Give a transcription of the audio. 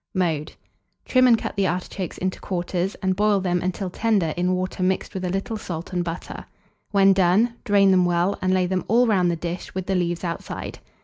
Mode. Trim and cut the artichokes into quarters, and boil them until tender in water mixed with a little salt and butter. When done, drain them well, and lay them all round the dish, with the leaves outside.